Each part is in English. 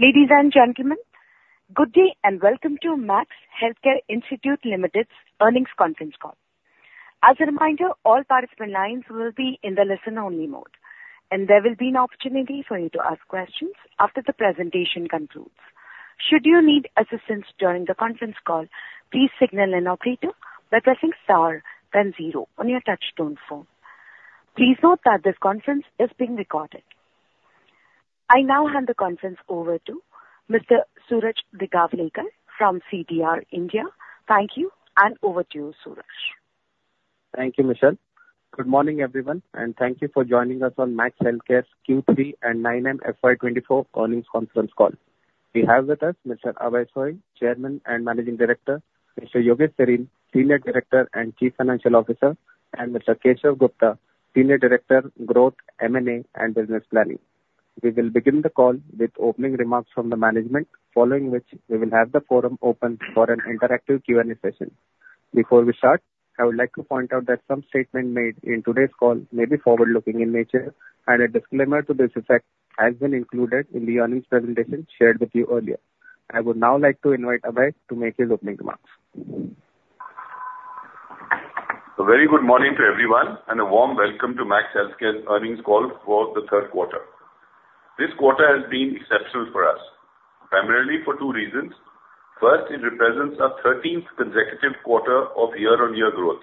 Ladies and gentlemen, good day, and welcome to Max Healthcare Institute Limited's Earnings Conference Call. As a reminder, all participant lines will be in the listen-only mode, and there will be an opportunity for you to ask questions after the presentation concludes. Should you need assistance during the conference call, please signal an operator by pressing star then zero on your touchtone phone. Please note that this conference is being recorded. I now hand the conference over to Mr. Suraj Digawalekar from CDR India. Thank you, and over to you, Suraj. Thank you, Michelle. Good morning, everyone, and thank you for joining us on Max Healthcare's Q3 and 9M FY 2024 Earnings Conference Call. We have with us Mr. Abhay Soi, Chairman and Managing Director, Mr. Yogesh Sareen, Senior Director and Chief Financial Officer, and Mr. Keshav Gupta, Senior Director, Growth, M&A, and Business Planning. We will begin the call with opening remarks from the management, following which we will have the forum open for an interactive Q&A session. Before we start, I would like to point out that some statement made in today's call may be forward-looking in nature, and a disclaimer to this effect has been included in the earnings presentation shared with you earlier. I would now like to invite Abhay to make his opening remarks. A very good morning to everyone, and a warm welcome to Max Healthcare's earnings call for the third quarter. This quarter has been exceptional for us, primarily for two reasons. First, it represents our 13th consecutive quarter of year-on-year growth.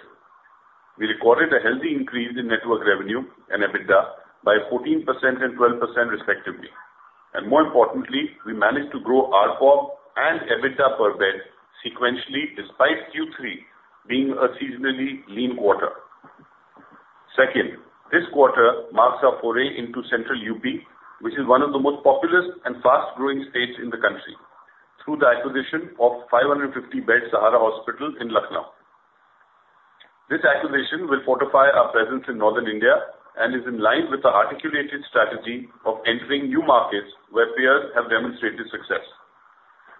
We recorded a healthy increase in network revenue and EBITDA by 14% and 12%, respectively. More importantly, we managed to grow ARPO and EBITDA per bed sequentially, despite Q3 being a seasonally lean quarter. Second, this quarter marks our foray into central UP, which is one of the most populous and fast-growing states in the country, through the acquisition of 550-bed Sahara Hospital in Lucknow. This acquisition will fortify our presence in Northern India and is in line with the articulated strategy of entering new markets where peers have demonstrated success.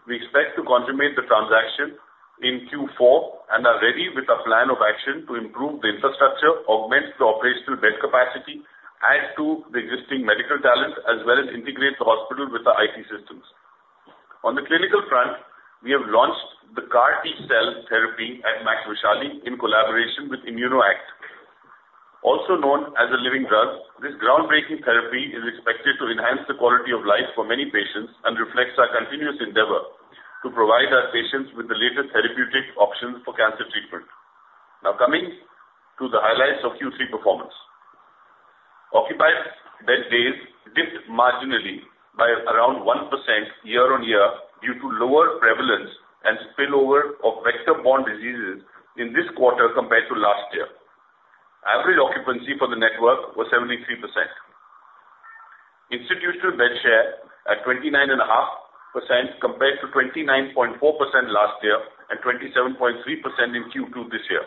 We expect to consummate the transaction in Q4 and are ready with a plan of action to improve the infrastructure, augment the operational bed capacity, add to the existing medical talent, as well as integrate the hospital with the IT systems. On the clinical front, we have launched the CAR T-cell therapy at Max Vaishali in collaboration with ImmunoACT. Also known as a living drug, this groundbreaking therapy is expected to enhance the quality of life for many patients and reflects our continuous endeavor to provide our patients with the latest therapeutic options for cancer treatment. Now, coming to the highlights of Q3 performance. Occupied bed days dipped marginally by around 1% year-on-year due to lower prevalence and spillover of vector-borne diseases in this quarter compared to last year. Average occupancy for the network was 73%. Institutional bed share at 29.5%, compared to 29.4% last year and 27.3% in Q2 this year.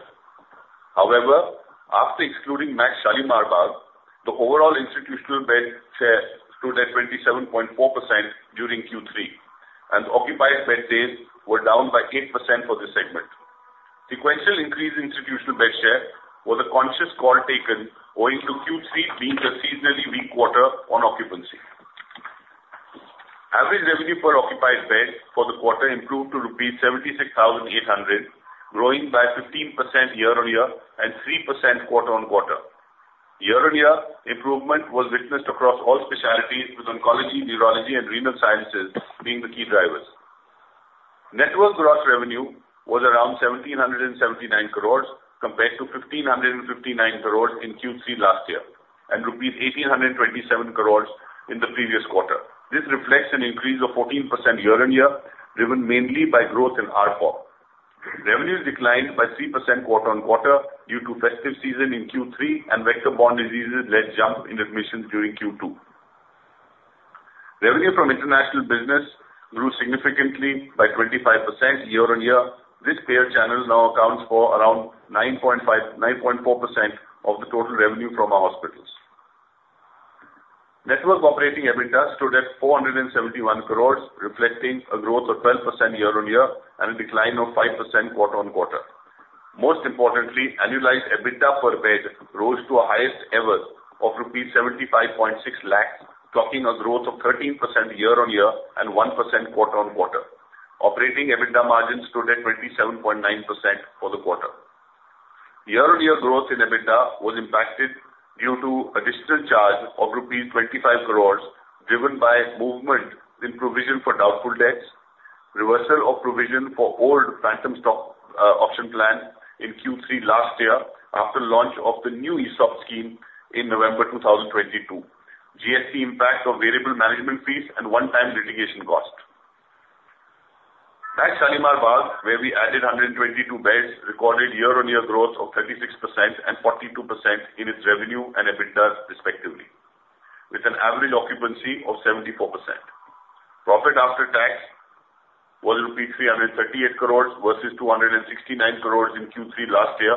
However, after excluding Max Shalimar Bagh, the overall institutional bed share stood at 27.4% during Q3, and occupied bed days were down by 8% for this segment. Sequential increase in institutional bed share was a conscious call taken, owing to Q3 being a seasonally weak quarter on occupancy. Average revenue per occupied bed for the quarter improved to rupees 76,800, growing by 15% year-on-year and 3% quarter-on-quarter. Year-on-year improvement was witnessed across all specialties, with oncology, neurology, and renal sciences being the key drivers. Network gross revenue was around 1,779 crore, compared to 1,559 crore in Q3 last year, and rupees 1,827 crore in the previous quarter. This reflects an increase of 14% year-on-year, driven mainly by growth in ARPOB. Revenues declined by 3% quarter-over-quarter due to festive season in Q3 and vector-borne diseases led jump in admissions during Q2. Revenue from international business grew significantly by 25% year-on-year. This payer channel now accounts for around 9.5-9.4% of the total revenue from our hospitals. Network operating EBITDA stood at 471 crore, reflecting a growth of 12% year-over-year and a decline of 5% quarter-over-quarter. Most importantly, annualized EBITDA per bed rose to a highest ever of rupees 75.6 lakh, clocking a growth of 13% year-on-year and 1% quarter-on-quarter. Operating EBITDA margins stood at 27.9% for the quarter. Year-on-year growth in EBITDA was impacted due to a one-time charge of rupees 25 crore, driven by movement in provision for doubtful debts, reversal of provision for old phantom stock option plan in Q3 last year after launch of the new ESOP scheme in November 2022, GST impact of variable management fees, and one-time litigation cost. Max Shalimar Bagh, where we added 122 beds, recorded year-on-year growth of 36% and 42% in its revenue and EBITDA, respectively, with an average occupancy of 74%. Profit after tax was rupee 338 crore versus 269 crore in Q3 last year,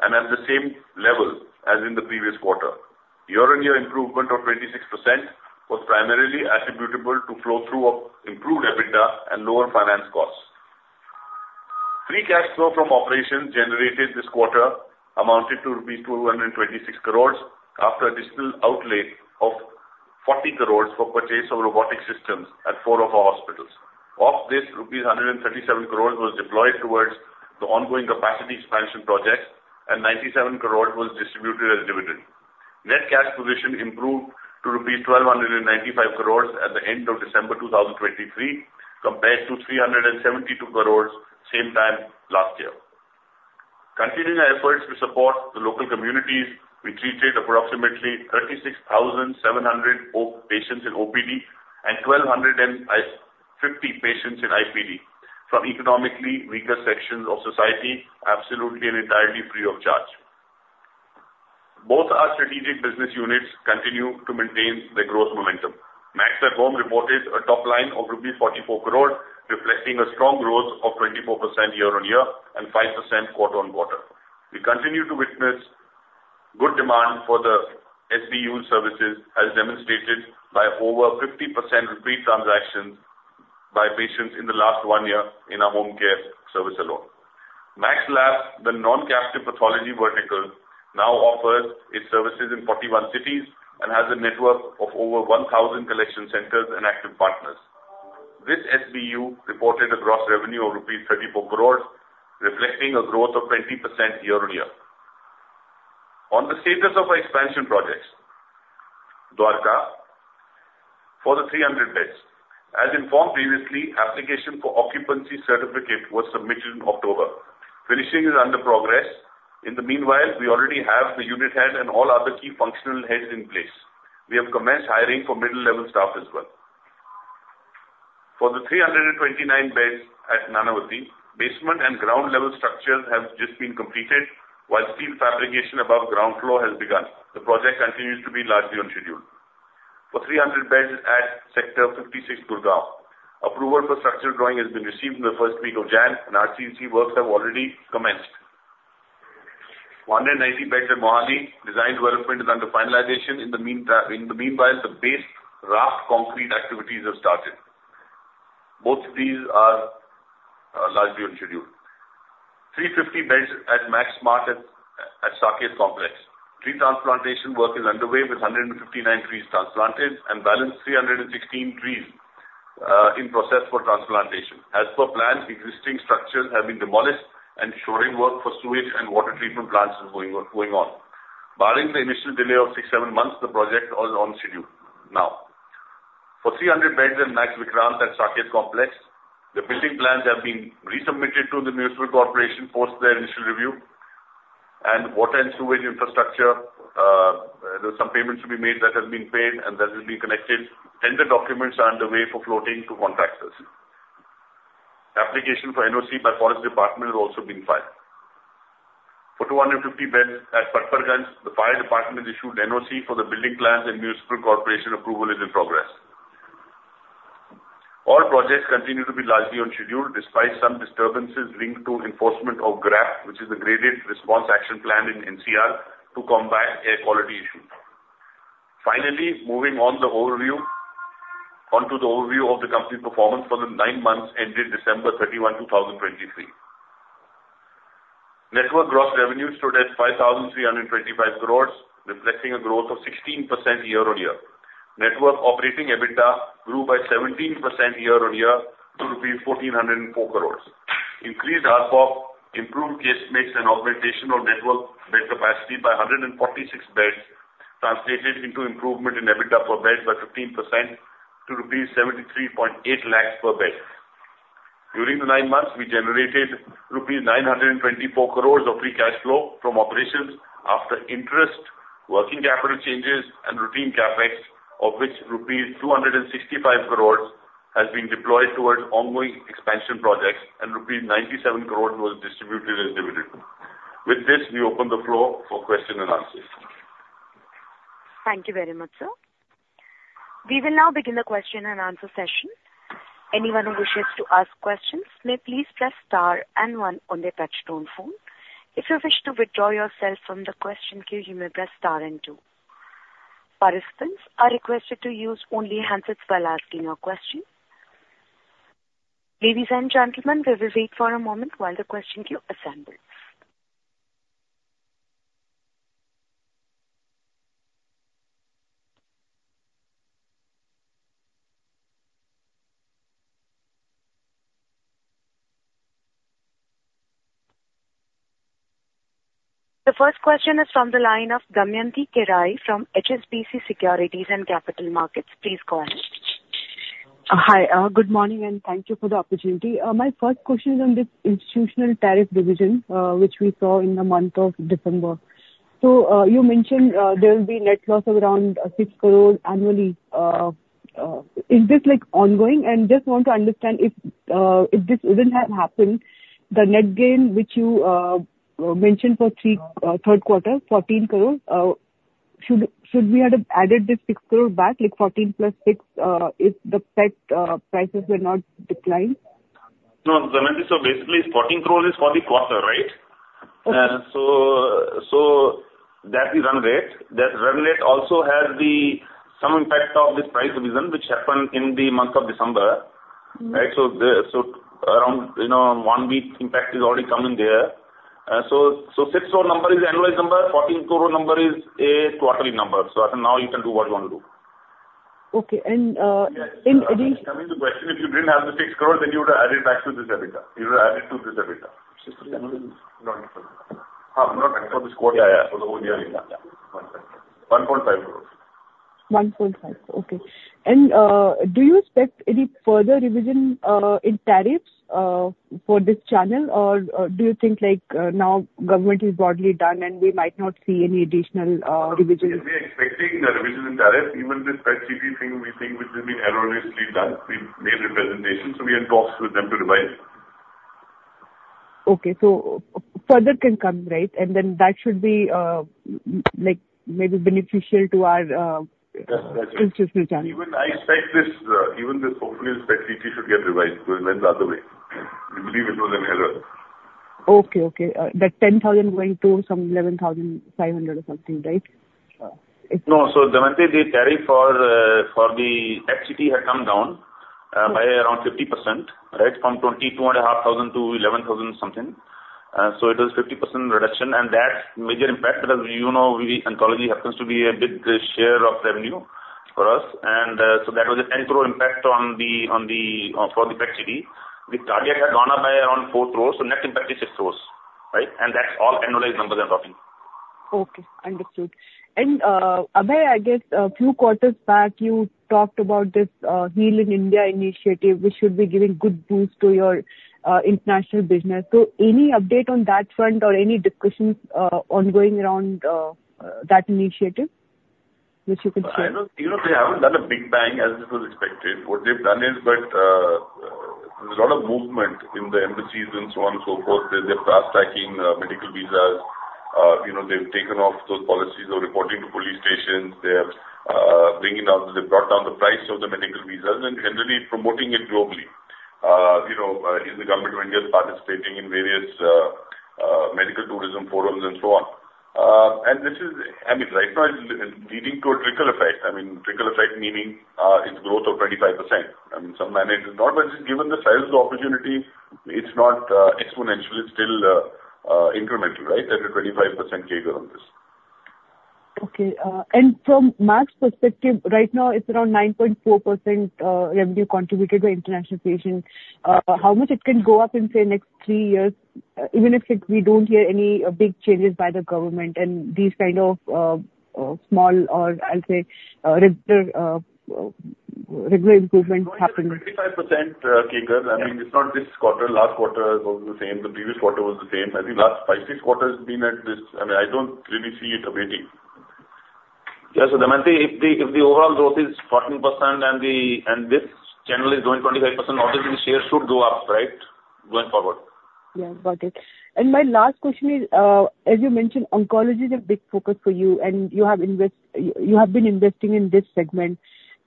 and at the same level as in the previous quarter. Year-on-year improvement of 26% was primarily attributable to flow-through of improved EBITDA and lower finance costs. Free cash flow from operations generated this quarter amounted to rupees 226 crore, after a digital outlay of 40 crore for purchase of robotic systems at four of our hospitals. Of this, rupees 137 crore was deployed towards the ongoing capacity expansion project, and 97 crore was distributed as dividend. Net cash position improved to rupees 1,295 crore at the end of December 2023, compared to 372 crore same time last year. Continuing our efforts to support the local communities, we treated approximately 36,700 patients in OPD, and 1,250 patients in IPD from economically weaker sections of society, absolutely and entirely free of charge. Both our strategic business units continue to maintain their growth momentum. MAX@Home reported a top line of 44 crore rupees, reflecting a strong growth of 24% year-on-year, and 5% quarter-on-quarter. We continue to witness good demand for the SBU services, as demonstrated by over 50% repeat transactions by patients in the last one year in our home care service alone. Max Lab, the non-captive pathology vertical, now offers its services in 41 cities and has a network of over 1,000 collection centers and active partners. This SBU reported a gross revenue of rupees 34 crore, reflecting a growth of 20% year-on-year. On the status of our expansion projects, Dwarka, for the 300 beds, as informed previously, application for occupancy certificate was submitted in October. Finishing is under progress. In the meanwhile, we already have the unit head and all other key functional heads in place. We have commenced hiring for middle-level staff as well. For the 329 beds at Nanavati, basement and ground level structures have just been completed, while steel fabrication above ground floor has begun. The project continues to be largely on schedule. For 300 beds at Sector 56, Gurugram, approval for structural drawing has been received in the first week of January, and RCC works have already commenced. 190 beds at Mohali, design development is under finalization. In the meanwhile, the base raft concrete activities have started. Both of these are largely on schedule. 350 beds at Max Smart at Saket Complex, tree transplantation work is underway, with 159 trees transplanted and balance 316 trees in process for transplantation. As per plans, existing structures have been demolished and shoring work for sewage and water treatment plants is going on. Barring the initial delay of 6-7 months, the project is on schedule now. For 300 beds at Max Vikrant at Saket Complex, the building plans have been resubmitted to the municipal corporation post their initial review. Water and sewage infrastructure, there were some payments to be made that have been paid and that has been connected, and the documents are underway for floating to contractors. Application for NOC by forest department has also been filed. For 250 beds at Patparganj, the fire department has issued an NOC for the building plans and municipal corporation approval is in progress. All projects continue to be largely on schedule, despite some disturbances linked to enforcement of GRAP, which is the Graded Response Action Plan in NCR, to combat air quality issues. Finally, moving on the overview- onto the overview of the company performance for the nine months ended December 31, 2023. Network gross revenues stood at 5,325 crore, reflecting a growth of 16% year-on-year. Network operating EBITDA grew by 17% year-on-year to 1,404 crore. Increased ARPOB, improved case mix and augmentation of network bed capacity by 146 beds, translated into improvement in EBITDA per bed by 15% to rupees 73.8 lakh per bed. During the nine months, we generated rupees 924 crore of free cash flow from operations after interest, working capital changes and routine CapEx, of which rupees 265 crore has been deployed towards ongoing expansion projects and rupees 97 crore was distributed as dividend. With this, we open the floor for question and answers. Thank you very much, sir. We will now begin the question and answer session. Anyone who wishes to ask questions may please press star and one on their touchtone phone. If you wish to withdraw yourself from the question queue, you may press star and two. Participants are requested to use only handsets while asking your question. Ladies and gentlemen, we will wait for a moment while the question queue assembles. The first question is from the line of Damayanti Kerai from HSBC Securities and Capital Markets. Please go ahead. Hi, good morning, and thank you for the opportunity. My first question is on the payor tariff revision, which we saw in the month of December. So, you mentioned there will be net loss of around 6 crore annually. Is this, like, ongoing? And just want to understand if, if this wouldn't have happened, the net gain, which you mentioned for third quarter, 14 crore, should we have added this 6 crore back, like 14 + 6, if the payor prices were not declined? No, Damayanti, so basically, INR 14 crore is for the quarter, right? Okay. That is run rate. That run rate also has some impact of this price revision, which happened in the month of December. Right? So the, so around, you know, one week impact is already coming there. So, so 6 crore number is the annualized number, 14 crore number is a quarterly number. So and now you can do what you want to do. Okay, and any- Coming to the question, if you didn't have the 6 crore, then you would have added back to this EBITDA. You would have added to this EBITDA. No, no. Not for this quarter. Yeah, yeah, for the whole year. Yeah, yeah. INR 1.5 crore. 1.5, okay. And, do you expect any further revision in tariffs for this channel? Or, do you think, like, now government is broadly done, and we might not see any additional revisions? We are expecting the revision in tariff, even this Pat city thing, we think, which has been erroneously done. We've made representations, so we are in talks with them to revise. Okay. So further can come, right? And then that should be like, maybe beneficial to our channel. Even I expect this, even this hopefully this Pat city should get revised, because it went the other way. We believe it was an error. Okay, okay. That 10,000 going to some 11,500 or something, right? No. So, Damayanti, the tariff for Patparganj had come down by around 50%, right, from 22,500 to 11,000 something. So it was 50% reduction, and that major impact, as you know, oncology happens to be a big share of revenue for us. And so that was an 10 crore impact on the for Patparganj. The tariff had gone up by around 4 crore, so net impact is 6 crore, right? And that's all annualized numbers I'm talking. Okay, understood. And, Abhay, I guess, a few quarters back, you talked about this Heal in India initiative, which should be giving good boost to your international business. So any update on that front or any discussions ongoing around that initiative, which you can share? I know, you know, they haven't done a big bang as it was expected. What they've done is, there's a lot of movement in the embassies and so on and so forth. They're fast-tracking medical visas. You know, they've taken off those policies of reporting to police stations. They've brought down the price of the medical visas and generally promoting it globally. You know, the Government of India, participating in various medical tourism forums and so on. And this is, I mean, right now it's leading to a trickle effect. I mean, trickle effect meaning, it's growth of 25%. I mean, and it is not, but given the size of the opportunity, it's not exponential. It's still incremental, right? At a 25% CAGR on this. Okay. And from Max perspective, right now, it's around 9.4%, revenue contributed by international patients. How much it can go up in, say, next three years, even if we don't hear any big changes by the government and these kind of small or I'll say, regular improvement happening? 25% CAGR. I mean, it's not this quarter. Last quarter was the same. The previous quarter was the same. I think last five, six quarters been at this. I mean, I don't really see it awaiting. Yes, so Damayanti, if the overall growth is 14% and this channel is growing 25%, obviously, the share should go up, right? Going forward. Yeah, got it. And my last question is, as you mentioned, oncology is a big focus for you, and you have been investing in this segment.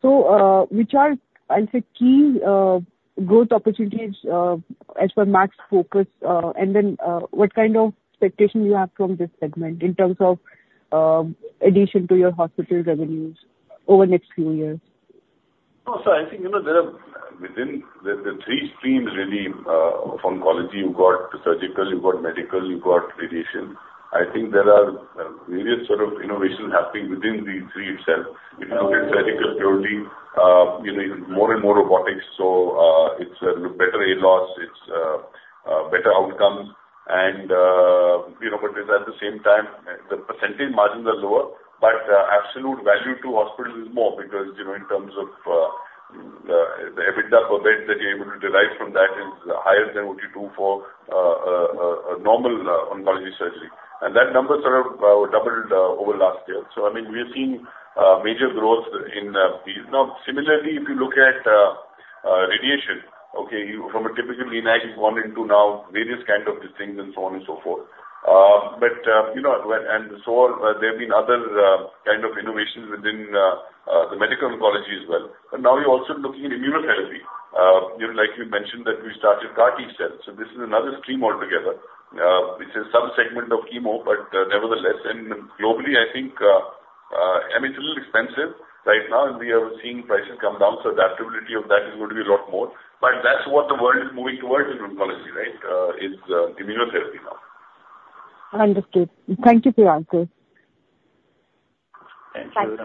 So, which are, I'll say, key growth opportunities, as per Max focus? And then, what kind of expectation you have from this segment in terms of addition to your hospital revenues over the next few years? No, so I think, you know, there are within the the three streams really of oncology, you've got surgical, you've got medical, you've got radiation. I think there are various sort of innovation happening within these three itself. If you look at surgical purely, you know, more and more robotics, so, it's a better access, it's better outcomes. And, you know, but at the same time, the percentage margins are lower, but absolute value to hospital is more because, you know, in terms of the EBITDA per bed that you're able to derive from that is higher than what you do for a normal oncology surgery. And that number sort of doubled over last year. So, I mean, we have seen major growth in these. Now, similarly, if you look at radiation, okay, you from a typical linear, you've gone into now various kinds of these things and so on and so forth. But, you know, and so there have been other kind of innovations within the medical oncology as well. And now you're also looking at immunotherapy. You know, like you mentioned, that we started CAR T-cells, so this is another stream altogether. Which is some segment of chemo, but nevertheless, and globally, I think, I mean, it's a little expensive right now, and we are seeing prices come down, so adaptability of that is going to be a lot more. But that's what the world is moving towards in oncology, right? Is immunotherapy now. Understood. Thank you for your answers. Thank you.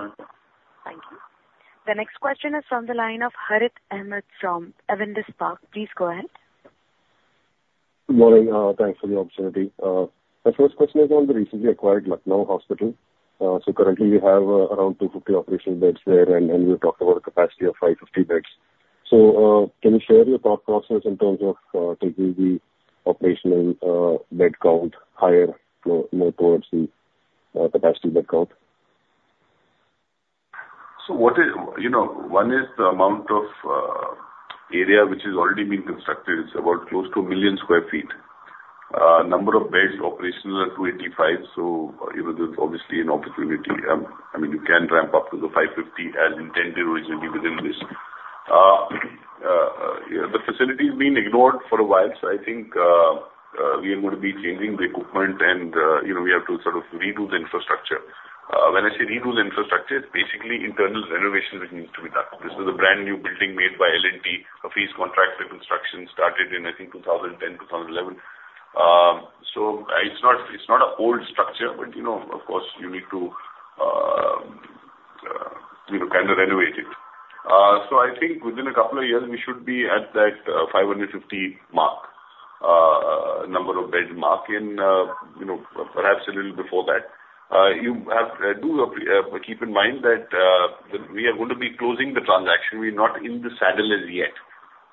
Thank you. The next question is from the line of Harith Ahamed from Avendus Spark. Please go ahead. Good morning. Thanks for the opportunity. My first question is on the recently acquired Lucknow hospital. So currently we have around 250 operational beds there, and we've talked about a capacity of 550 beds. So can you share your thought process in terms of taking the operational bed count higher, more towards the capacity bed count? So what is... You know, one is the amount of, area which is already being constructed. It's about close to 1 million sq ft. Number of beds operational are 285, so, you know, there's obviously an opportunity. I mean, you can ramp up to the 550, as we intended originally within this. Yeah, the facility has been ignored for a while, so I think, we are going to be changing the equipment and, you know, we have to sort of redo the infrastructure. When I say redo the infrastructure, it's basically internal renovations which needs to be done. This is a brand new building made by L&T. A phased contract for construction started in, I think, 2010, 2011. So it's not, it's not an old structure, but, you know, of course, you need to, you know, kind of renovate it. So I think within a couple of years, we should be at that, 550 mark, number of bed mark in, you know, perhaps a little before that. Do keep in mind that, we are going to be closing the transaction. We're not in the saddle as yet.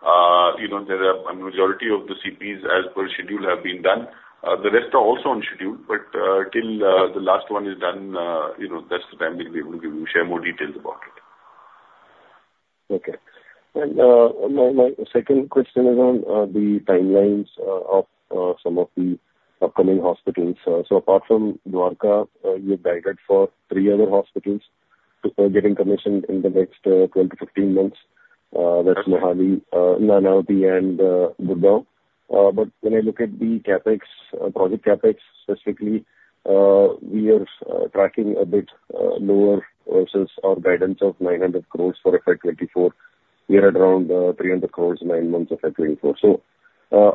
You know, there are a majority of the CPs as per schedule have been done. The rest are also on schedule, but, till the last one is done, you know, that's the time we'll be able to give you, share more details about it. Okay. And my second question is on the timelines of some of the upcoming hospitals. So apart from Dwarka, you guided for three other hospitals to getting commissioned in the next 12-15 months. That's Mohali, Nanavati, and Gurgaon. But when I look at the CapEx, project CapEx, specifically, we are tracking a bit lower versus our guidance of 900 crore for FY 2024. We are at around 300 crore, nine months of FY 2024. So,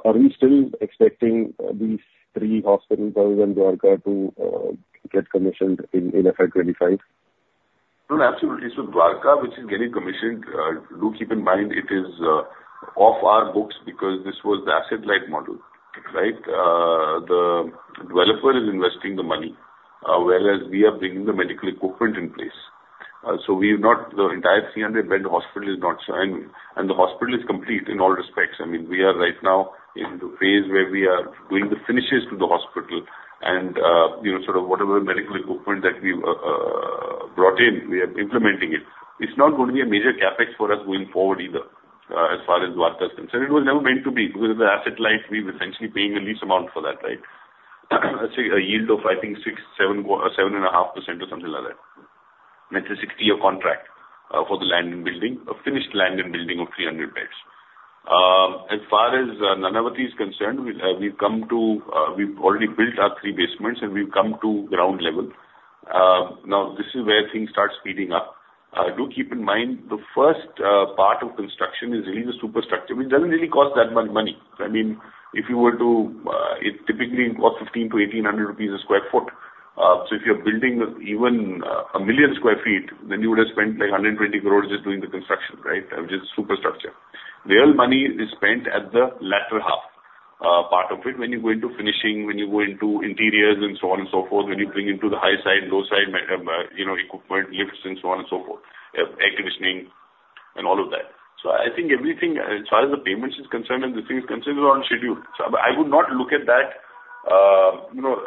are we still expecting these three hospitals in Dwarka to get commissioned in FY 2025? No, absolutely. So Dwarka, which is getting commissioned, do keep in mind it is off our books because this was the asset-light model, right? The developer is investing the money, whereas we are bringing the medical equipment in place. So the entire 300-bed hospital is not signed, and the hospital is complete in all respects. I mean, we are right now in the phase where we are doing the finishes to the hospital and, you know, sort of whatever medical equipment that we brought in, we are implementing it. It's not going to be a major CapEx for us going forward either, as far as Dwarka is concerned. It was never meant to be, because the asset-light, we're essentially paying a lease amount for that, right? Say, a yield of, I think, 6%, 7%, 7.5% or something like that. That's a 60-year contract for the land and building, a finished land and building of 300 beds. As far as Nanavati is concerned, we've already built our three basements, and we've come to ground level. Now, this is where things start speeding up. Do keep in mind, the first part of construction is really the superstructure, which doesn't really cost that much money. I mean, if you were to, it typically costs 1,500-1,800 rupees per sq ft. So if you're building even 1,000,000 sq ft, then you would have spent, like, 120 crore just doing the construction, right? Which is superstructure. Real money is spent at the latter half, part of it, when you go into finishing, when you go into interiors and so on and so forth, when you bring into the high side, low side, you know, equipment, lifts and so on and so forth, air conditioning and all of that. So I think everything as far as the payments is concerned, and the thing is concerned, we're on schedule. So I would not look at that, you know,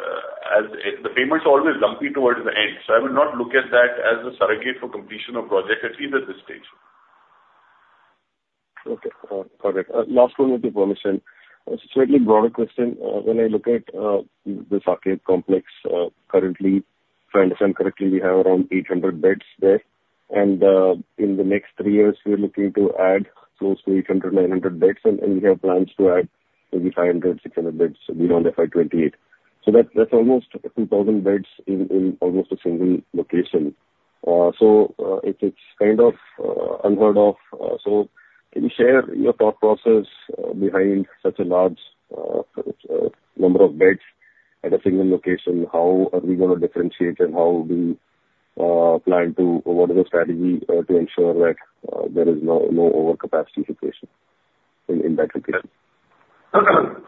as... The payments are always lumpy towards the end, so I will not look at that as a surrogate for completion of project, at least at this stage. Okay, perfect. Last one with your permission. Slightly broader question. When I look at the Saket complex, currently, if I understand correctly, we have around 800 beds there. And, in the next three years, we are looking to add close to 800-900 beds, and we have plans to add maybe 500-600 beds beyond FY 2028. So that, that's almost 2,000 beds in almost a single location. So, it's kind of unheard of. So can you share your thought process behind such a large number of beds at a single location? How are we gonna differentiate, and how do you plan to... What is the strategy to ensure that there is no overcapacity situation in that location?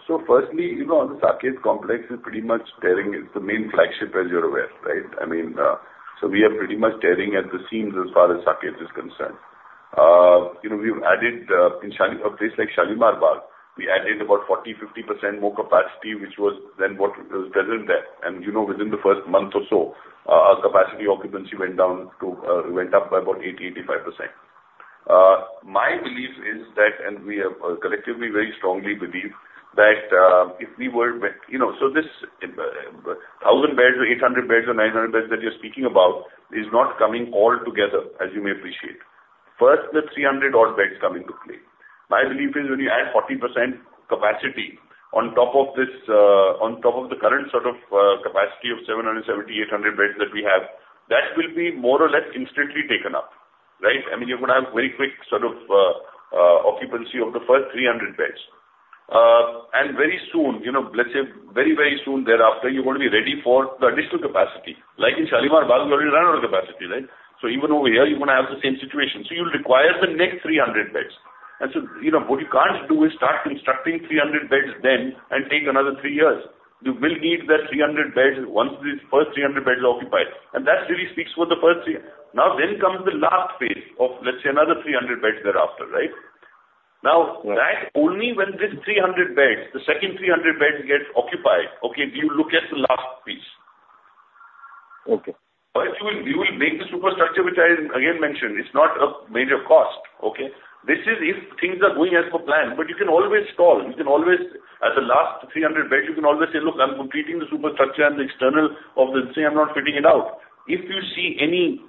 So firstly, you know, on the Saket complex, it's pretty much tearing, it's the main flagship, as you're aware, right? I mean, so we are pretty much tearing at the seams as far as Saket is concerned. You know, we've added, in a place like Shalimar Bagh, we added about 40%-50% more capacity, which was then what was present there. And, you know, within the first month or so, our capacity occupancy went down to, went up by about 80%-85%. My belief is that, and we, collectively very strongly believe that, if we were, you know, so this, 1,000 beds or 800 beds or 900 beds that you're speaking about is not coming all together, as you may appreciate. First, the 300-odd beds come into play. My belief is when you add 40% capacity on top of this, on top of the current sort of capacity of 770-800 beds that we have, that will be more or less instantly taken up, right? I mean, you're gonna have very quick sort of occupancy of the first 300 beds. And very soon, you know, let's say very, very soon thereafter, you're gonna be ready for the additional capacity. Like in Shalimar Bagh, we already ran out of capacity, right? So even over here, you're gonna have the same situation. So you'll require the next 300 beds. And so, you know, what you can't do is start constructing 300 beds then and take another three years. You will need that 300 beds once the first 300 beds are occupied, and that really speaks for the first three. Now, then comes the last phase of, let's say, another 300 beds thereafter, right? Right. Now, that only when this 300 beds, the second 300 beds, get occupied, okay, do you look at the last piece. Okay. You will, you will make the superstructure, which I again mentioned, it's not a major cost, okay? This is if things are going as per plan, but you can always stall. You can always, as the last 300 beds, you can always say, "Look, I'm completing the superstructure and the external of the... Say I'm not fitting it out," if you see any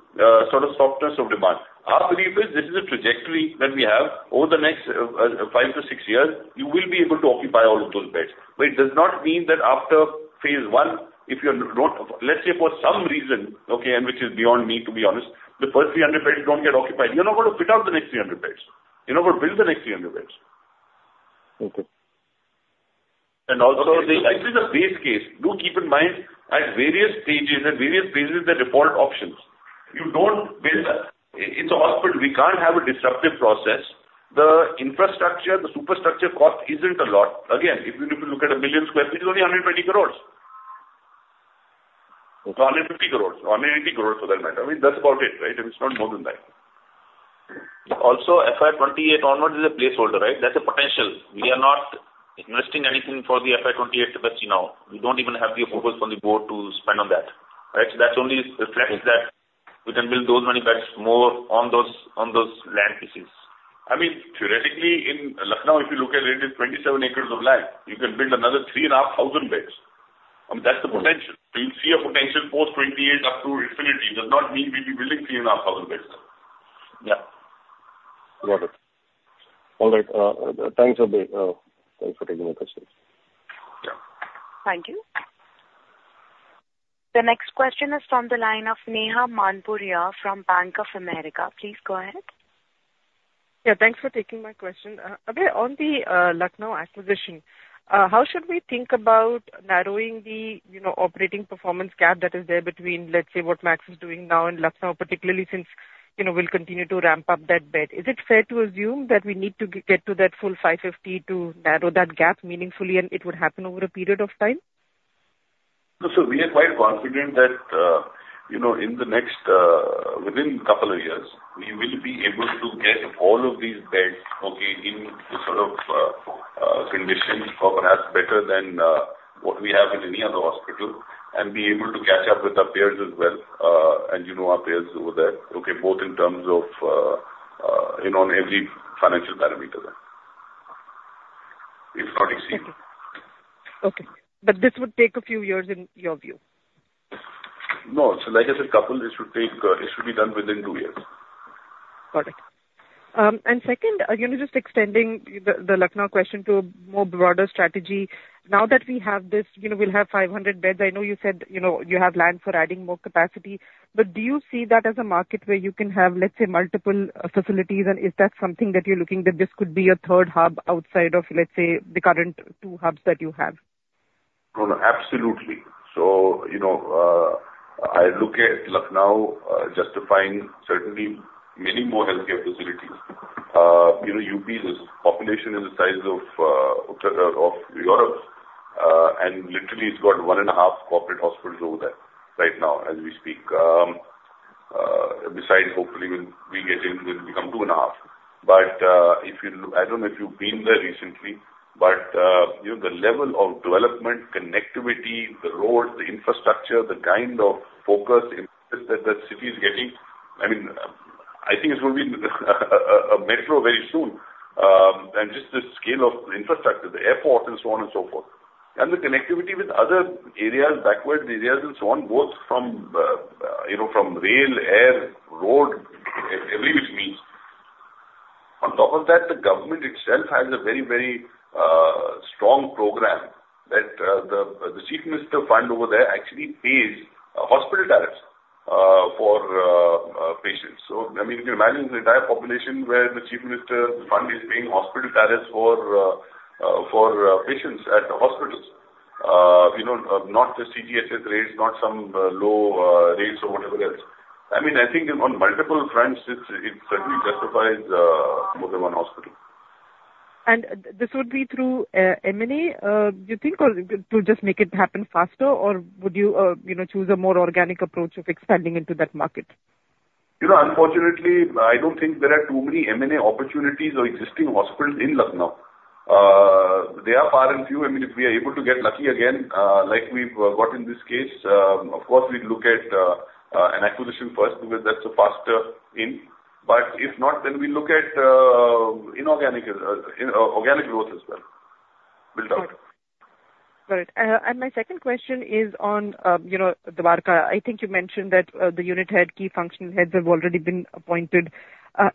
sort of softness of demand. My belief is this is a trajectory that we have over the next 5-6 years, you will be able to occupy all of those beds. But it does not mean that after phase one, if you're not-- Let's say, for some reason, okay, and which is beyond me, to be honest, the first 300 beds don't get occupied. You're not going to put out the next 300 beds. You're not going to build the next 300 beds. Okay. Also, this is a base case. Do keep in mind, at various stages, at various phases, there are default options. You don't build a – it's a hospital. We can't have a disruptive process. The infrastructure, the superstructure cost isn't a lot. Again, if you look at 1 million sq ft, it's only 120 crore. Or 150 crore, 180 crore for that matter. I mean, that's about it, right? It's not more than that. Also, FY 2028 onwards is a placeholder, right? That's a potential. We are not investing anything for the FY 2028 capacity now. We don't even have the approval from the board to spend on that, right? So that's only reflects that we can build those many beds more on those, on those land pieces. I mean, theoretically, in Lucknow, if you look at it, it's 27 acres of land. You can build another 3,500 beds. That's the potential. So you see a potential post 28 up to infinity, does not mean we'll be building 3,500 beds. Yeah. Got it. All right, thanks, Abhay. Thanks for taking my questions. Yeah. Thank you. The next question is from the line of Neha Manpuria from Bank of America. Please go ahead. Yeah, thanks for taking my question. Abhay, on the Lucknow acquisition, how should we think about narrowing the, you know, operating performance gap that is there between, let's say, what Max is doing now and Lucknow, particularly since, you know, we'll continue to ramp up that bed? Is it fair to assume that we need to get to that full 550 to narrow that gap meaningfully, and it would happen over a period of time? So we are quite confident that, you know, in the next, within couple of years, we will be able to get all of these beds, okay, in the sort of, condition or perhaps better than, what we have in any other hospital, and be able to catch up with our peers as well. And you know our peers over there, okay, both in terms of, in on every financial parameter there. If not exceed. Okay. But this would take a few years in your view? No. So like I said, couple, it should take, it should be done within two years. Got it. Second, you know, just extending the Lucknow question to a more broader strategy. Now that we have this, you know, we'll have 500 beds. I know you said, you know, you have land for adding more capacity, but do you see that as a market where you can have, let's say, multiple facilities? Is that something that you're looking, that this could be a third hub outside of, let's say, the current two hubs that you have? No, no, absolutely. So, you know, I look at Lucknow, justifying certainly many more healthcare facilities. You know, UP's population is the size of Europe, and literally, it's got 1.5 corporate hospitals over there right now, as we speak. Besides, hopefully, when we get in, it will become 2.5. But if you look... I don't know if you've been there recently, but you know, the level of development, connectivity, the roads, the infrastructure, the kind of focus in that city is getting, I mean, I think it will be a metro very soon. And just the scale of infrastructure, the airport and so on and so forth. The connectivity with other areas, backward areas and so on, both from, you know, from rail, air, road, every which means. On top of that, the government itself has a very, very strong program that the Chief Minister Fund over there actually pays hospital tariffs for patients. I mean, you can imagine the entire population where the Chief Minister Fund is paying hospital tariffs for patients at the hospitals. You know, not the CGHS rates, not some low rates or whatever else. I mean, I think on multiple fronts, it certainly justifies more than one hospital. This would be through M&A, do you think, or to just make it happen faster, or would you, you know, choose a more organic approach of expanding into that market? You know, unfortunately, I don't think there are too many M&A opportunities or existing hospitals in Lucknow. They are far and few. I mean, if we are able to get lucky again, like we've got in this case, of course, we'd look at an acquisition first, because that's a faster in. But if not, then we look at inorganic, in, organic growth as well. Build out. Got it. And my second question is on, you know, Dwarka. I think you mentioned that the unit head, key functional heads have already been appointed.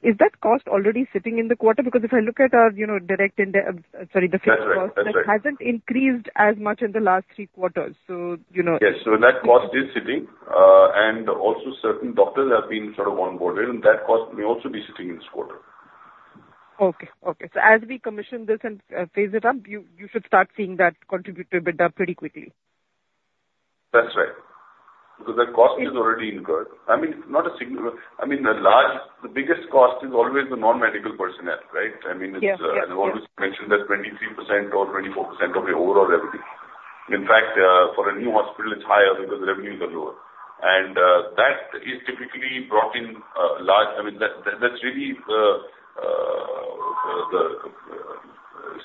Is that cost already sitting in the quarter? Because if I look at, you know, the- That's right. cost, that hasn't increased as much in the last three quarters. So, you know- Yes, so that cost is sitting, and also certain doctors have been sort of onboarded, and that cost may also be sitting in this quarter. Okay. Okay. So as we commission this and phase it up, you should start seeing that contribute to ARPOB up pretty quickly? That's right. Because that cost is already incurred. I mean, a large, the biggest cost is always the non-medical personnel, right? I mean- Yes, yes. I always mentioned that 23% or 24% of the overall revenue. In fact, for a new hospital, it's higher because the revenue is lower. And, that is typically brought in, I mean, that's really the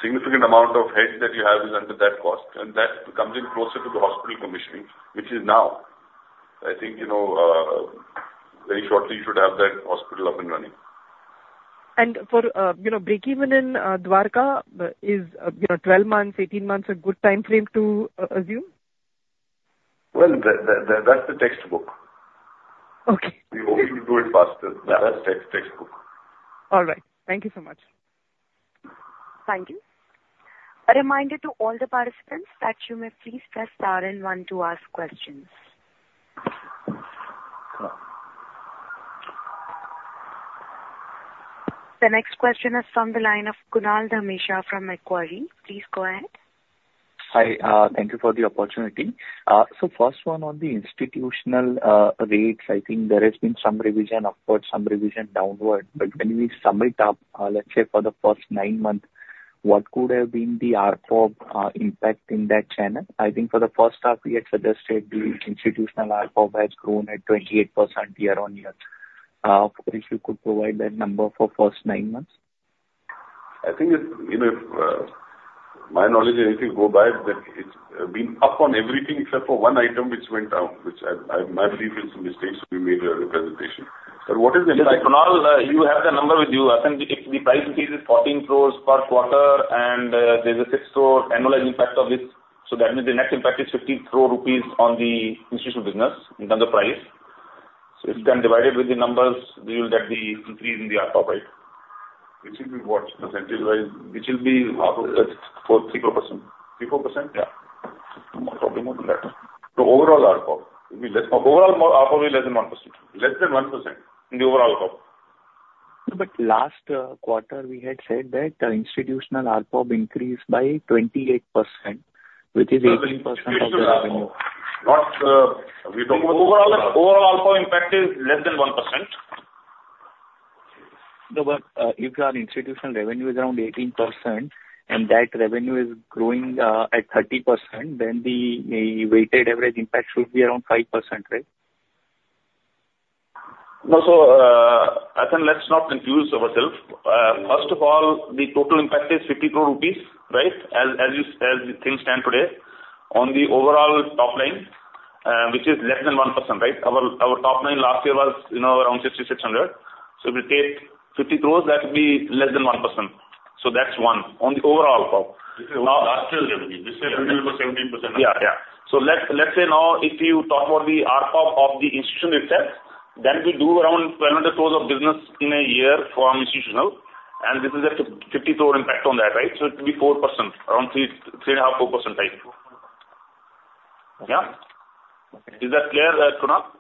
significant amount of head that you have is under that cost, and that comes in closer to the hospital commissioning, which is now. I think, you know, very shortly you should have that hospital up and running. For, you know, break even in Dwarka, is, you know, 12 months, 18 months, a good timeframe to assume? Well, that's the textbook. Okay. We hope to do it faster, that is textbook. All right. Thank you so much. Thank you. A reminder to all the participants that you may please press star and one to ask questions. The next question is from the line of Kunal Dhamesha from Macquarie. Please go ahead. Hi, thank you for the opportunity. So first one, on the institutional rates, I think there has been some revision upward, some revision downward. But when we sum it up, let's say for the first nine months, what could have been the ARPOB impact in that channel? I think for the first half, we had suggested the institutional ARPOB has grown at 28% year-on-year. If you could provide that number for first nine months. I think it, you know, if my knowledge anything go by, that it's been up on everything except for one item which went down, which I, my belief is, in this case, we made a representation. But what is the impact? Yes, Kunal, you have the number with you. I think the price increase is 14 crore per quarter, and there's a 6 crore annual impact of this. So that means the net impact is 50 crore rupees on the institutional business in terms of price. So it can divide it with the numbers, we will get the increase in the ARPOB, right? Which will be what, percentage-wise? Which will be up, for 3%-4%. 3-4%? Yeah. More to that. Overall, ARPOB will be less than 1%. Less than 1% in the overall ARPOB. No, but last quarter, we had said that the institutional ARPOB increased by 28%, which is 18% of the revenue. Not, we talk about- Overall, overall ARPOB impact is less than 1%. No, but if your institutional revenue is around 18%, and that revenue is growing at 30%, then the weighted average impact should be around 5%, right? No. So, I think let's not confuse ourselves. First of all, the total impact is 50 crore rupees, right? As, as you, as things stand today, on the overall top line, which is less than 1%, right? Our, our top line last year was, you know, around 6,600. So if you take 50 crore, that will be less than 1%. So that's one, on the overall ARPOB. This is last year revenue. This year 17%. Yeah, yeah. So let's say now, if you talk about the ARPOB of the institution itself, then we do around 1,200 crore of business in a year from institutional, and this is a 50 crore impact on that, right? So it will be 4%, around 3%, 3.5%, 4%, I think. Yeah? Okay. Is that clear, Kunal?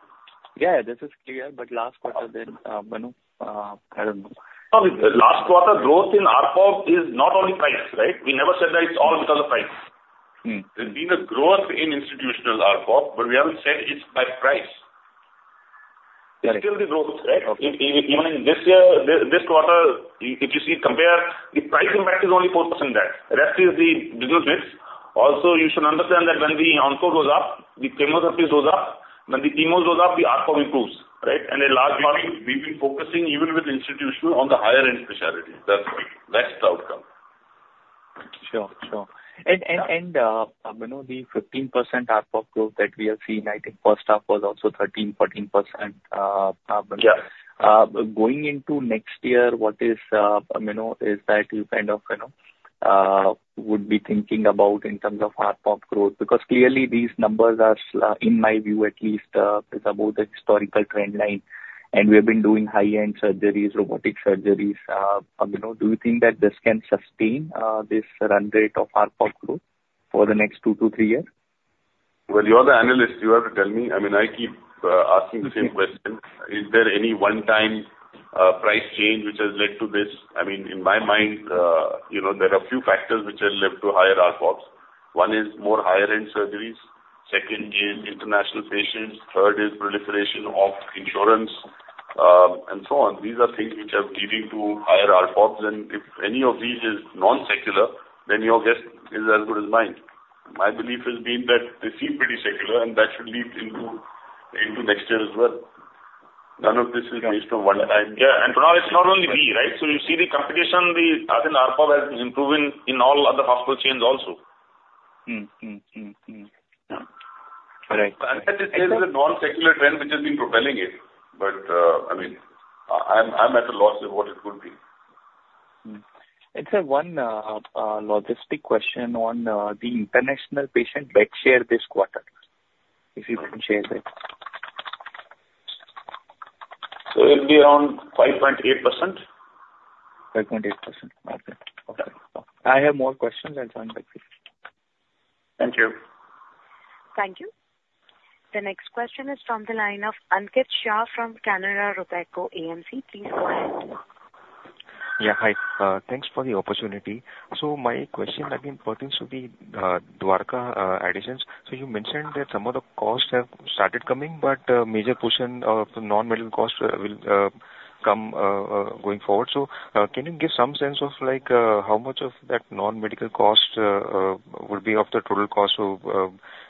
Yeah, this is clear, but last quarter then, when... I don't know. No, the last quarter growth in ARPOB is not only price, right? We never said that it's all because of price. Mm. There's been a growth in institutional ARPOB, but we haven't said it's by price. It's still the growth, right? Okay. Even in this year, this quarter, if you see, compare, the price impact is only 4% that. Rest is the business mix. Also, you should understand that when the Onco goes up, the premium of this goes up. When the premium goes up, the ARPOB improves, right? And a large part- We've been focusing even with institutional on the higher end specialty. That's why. That's the outcome. Sure, sure. You know, the 15% ARPOB growth that we have seen, I think first half was also 13%-14%. Yeah. Going into next year, what is, you know, is that you kind of, you know, would be thinking about in terms of ARPOB growth? Because clearly these numbers are, in my view at least, it's above the historical trend line, and we have been doing high-end surgeries, robotic surgeries. You know, do you think that this can sustain, this run rate of ARPOB growth for the next two to three years? Well, you're the analyst, you have to tell me. I mean, I keep asking the same question. Is there any one time price change which has led to this? I mean, in my mind, you know, there are a few factors which have led to higher ARPOBs. One is more higher end surgeries. Second is international patients. Third is proliferation of insurance, and so on. These are things which are leading to higher ARPOBs, and if any of these is non-secular, then your guess is as good as mine. My belief has been that they seem pretty secular, and that should lead into next year as well. None of this is based on one time. Yeah, and Kunal, it's not only we, right? So you see the competition, the ARPOB has been improving in all other hospital chains also. Yeah. Right. There is a non-secular trend which has been propelling it, but, I mean, I'm at a loss of what it could be. Sir, one logistics question on the international patient bed share this quarter, if you can share that. It'll be around 5.8%. 5.8%. Okay. Okay. I have more questions. I'll join back. Thank you. Thank you. The next question is from the line of Ankit Shah from Canara Robeco AMC. Please go ahead. Yeah, hi. Thanks for the opportunity. So my question again pertains to the Dwarka additions. So you mentioned that some of the costs have started coming, but major portion of the non-medical costs will come going forward. So can you give some sense of like how much of that non-medical cost will be of the total cost of...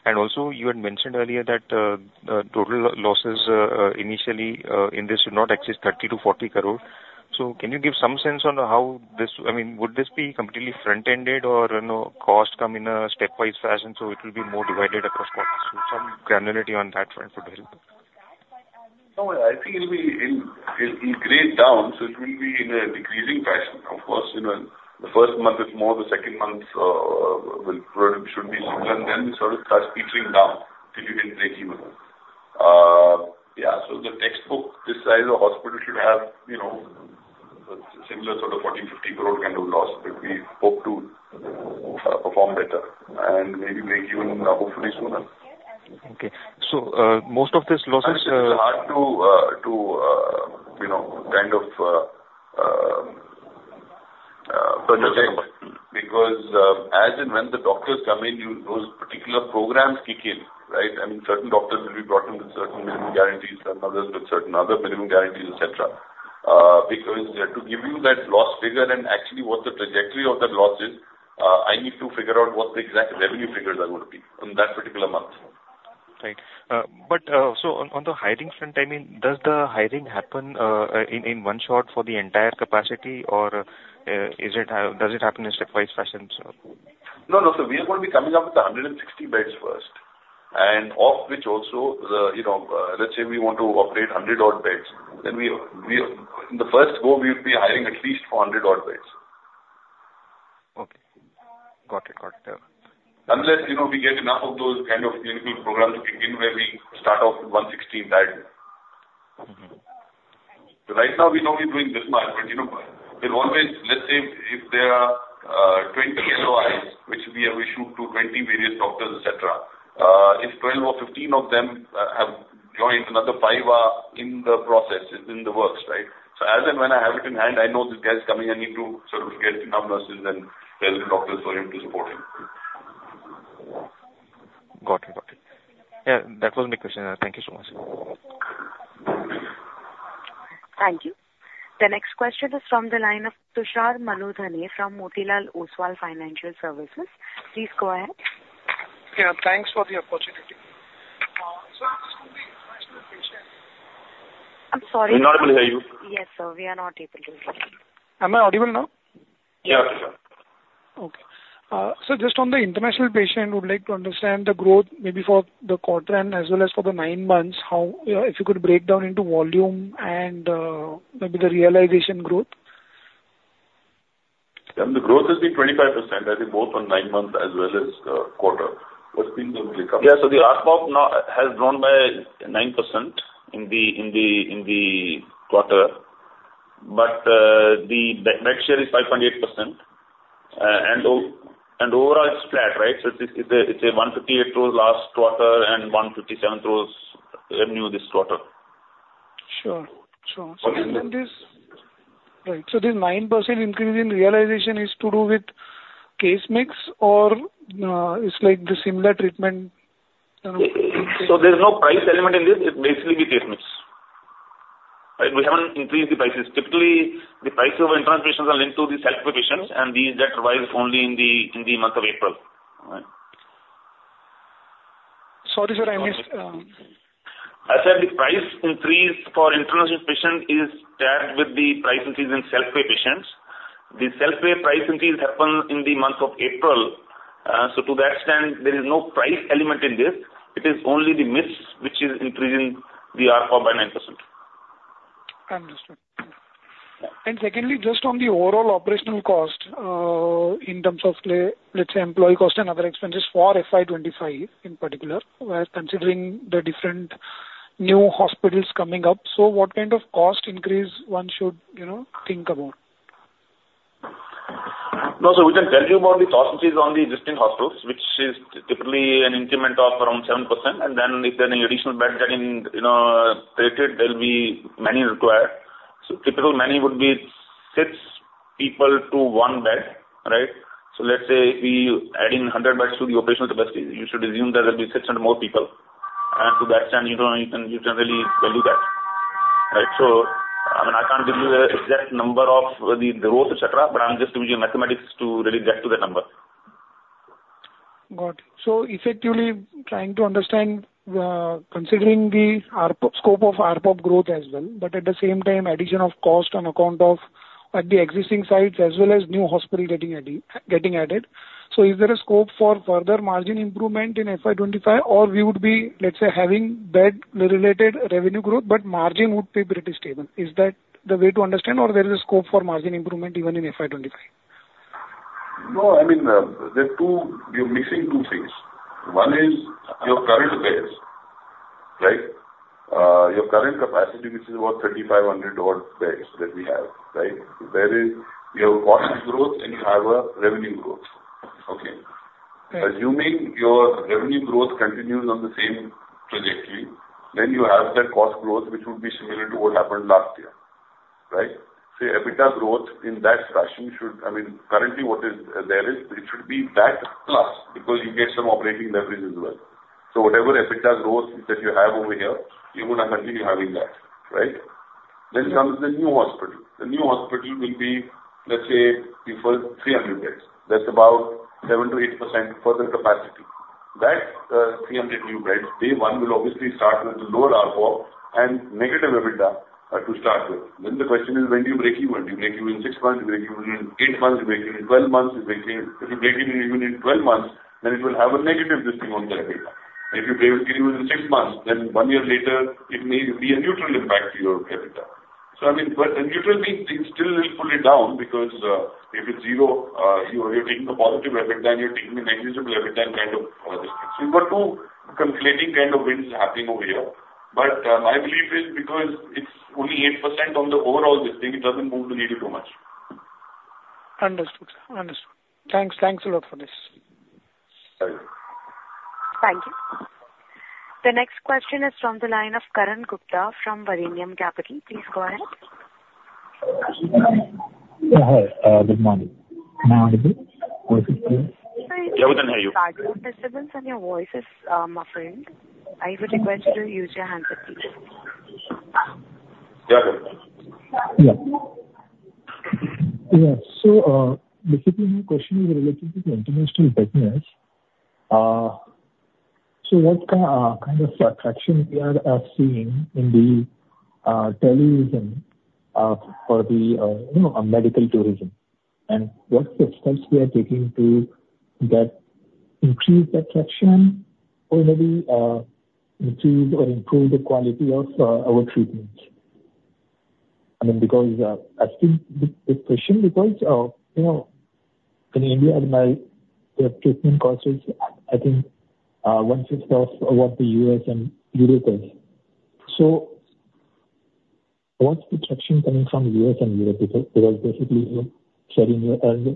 And also, you had mentioned earlier that total losses initially in this should not exceed 30 crore-40 crore. So can you give some sense on how this... I mean, would this be completely front-ended or, you know, costs come in a stepwise fashion, so it will be more divided across quarters? Some granularity on that front would help. No, I think it'll be in, it'll be graded down, so it will be in a decreasing fashion. Of course, you know, the first month is more, the second month, will should be less, and then it sort of starts tapering down till you hit breakeven. Yeah, so the textbook, this size of hospital should have, you know, similar sort of INR 1,450 crore kind of loss, but we hope to, perform better and maybe break even, hopefully sooner. Okay. So, most of these losses, It's hard to, you know, kind of project, because as and when the doctors come in, you, those particular programs kick in, right? I mean, certain doctors will be brought in with certain minimum guarantees and others with certain other minimum guarantees, et cetera. Because to give you that loss figure and actually what the trajectory of that loss is, I need to figure out what the exact revenue figures are going to be on that particular month. Thanks. But, so on the hiring front, I mean, does the hiring happen in one shot for the entire capacity, or is it does it happen in stepwise fashion, sir? No, no. So we are going to be coming up with 160 beds first, and of which also, the, you know, let's say we want to operate 100-odd beds, then we, we, in the first go, we will be hiring at least 400-odd beds. Okay. Got it. Got it. Unless, you know, we get enough of those kind of clinical programs to kick in, where we start off with 116 directly. Mm-hmm. So right now we're only doing this much, but, you know, there's always... Let's say if there are 20 LOIs, which we have issued to 20 various doctors, et cetera, if 12 or 15 of them have joined, another five are in the process, it's in the works, right? So as and when I have it in hand, I know this guy is coming. I need to sort of get enough nurses and resident doctors for him to support him. Got it. Got it. Yeah, that was my question. Thank you so much. Thank you. The next question is from the line of Tushar Manudhane from Motilal Oswal Financial Services. Please go ahead. Yeah, thanks for the opportunity. So on the international patient- I'm sorry? Not able to hear you. Yes, sir, we are not able to hear you. Am I audible now? Yeah. Okay. So just on the international patient, would like to understand the growth maybe for the quarter and as well as for the nine months, how, if you could break down into volume and, maybe the realization growth? Then the growth has been 25%, I think both on nine months as well as quarter. But still when it comes- Yeah, so the ARPOB now has grown by 9% in the quarter, but the next year is 5.8%. And overall it's flat, right? So it's a 158 through last quarter and 157 through revenue this quarter. Sure. Sure. Okay. And then this... Right. So this 9% increase in realization is to do with case mix or, it's like the similar treatment? So there's no price element in this. It's basically the case mix. Right, we haven't increased the prices. Typically, the price of international patients are linked to the self-pay patients, and these get revised only in the month of April. All right. Sorry, sir, I missed. I said the price increase for international patients is tagged with the price increase in self-pay patients. The self-pay price increase happens in the month of April. So to that extent, there is no price element in this. It is only the mix which is increasing the ARPOB by 9%. Understood. And secondly, just on the overall operational cost, in terms of, let's say, employee cost and other expenses for FY 2025 in particular, where considering the different new hospitals coming up. So what kind of cost increase one should, you know, think about? No, so we can tell you about the cost increase on the existing hospitals, which is typically an increment of around 7%. And then if there are any additional beds are in, you know, created, there'll be many required. So typical many would be six people to one bed, right? So let's say we adding 100 beds to the operational capacity, you should assume there will be 600 more people. And to that extent, you know, you can, you can really value that. Right. So, I mean, I can't give you the exact number of the growth, et cetera, but I'm just giving you mathematics to really get to that number. Got it. So effectively trying to understand, considering the ARPOB, scope of ARPOB growth as well, but at the same time, addition of cost on account of, at the existing sites as well as new hospital getting added, getting added. So is there a scope for further margin improvement in FY 2025, or we would be, let's say, having bed-related revenue growth, but margin would be pretty stable? Is that the way to understand, or there is a scope for margin improvement even in FY 2025? No, I mean, there are two—you're mixing two things. One is your current base, right? Your current capacity, which is about 3,500-odd beds that we have, right? There is your cost growth and you have a revenue growth. Okay. Right. Assuming your revenue growth continues on the same trajectory, then you have that cost growth, which would be similar to what happened last year, right? So EBITDA growth in that fashion should... I mean, currently, what is, there is, it should be that plus, because you get some operating leverage as well. So whatever EBITDA growth that you have over here, you would automatically be having that, right? Yeah. Then comes the new hospital. The new hospital will be, let's say, the first 300 beds. That's about 7%-8% further capacity. That 300 new beds, day one, will obviously start with a lower ARPOB and negative EBITDA to start with. Then the question is, when do you break even? Do you break even in six months? You break even in eight months, you break even in 12 months, you break even. If you break even, even in 12 months, then it will have a negative listing on the EBITDA. If you break even in six months, then one year later, it may be a neutral impact to your EBITDA.... So I mean, but it will be still fully down because, if it's zero, you are, you're taking a positive EBITDA, then you're taking a negligible EBITDA kind of this. So you've got two conflicting kind of wins happening over here. But, my belief is because it's only 8% on the overall this thing, it doesn't move the needle too much. Understood, sir. Understood. Thanks. Thanks a lot for this. Thank you. Thank you. The next question is from the line of Karan Gupta from Varanium Capital. Please go ahead. Hi. Good morning. Am I audible? Good morning, yeah, we can hear you.... and your voice is muffled. I would request you to use your handset, please. Yeah. Yeah. Yeah, so basically, my question is related to the international business. So what kind of traction we are seeing in the Delhi region for, you know, on medical tourism? And what steps we are taking to get increase that traction or maybe improve or improve the quality of our treatment? I mean, because you know, in India, the treatment costs is, I think, 1/6 of what the U.S. and Europe is. So what's the traction coming from U.S. and Europe? Because basically, you said in your earlier